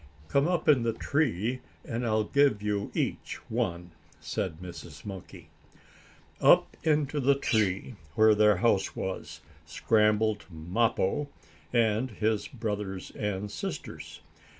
"Come up in the tree and I'll give you each one," said Mrs. Monkey. Up into the tree, where their house was, scrambled Mappo, and his brothers and sisters.